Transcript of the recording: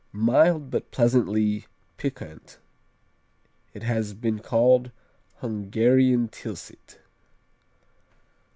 Mild but pleasantly piquant It has been called Hungarian Tilsit.